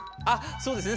そうですね